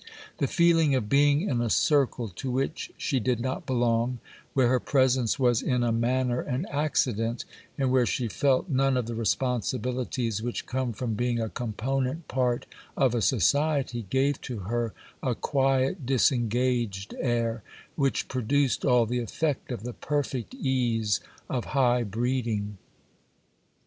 The feeling of being in a circle to which she did not belong, where her presence was in a manner an accident, and where she felt none of the responsibilities which come from being a component part of a society, gave to her a quiet, disengaged air, which produced all the effect of the perfect ease of high breeding.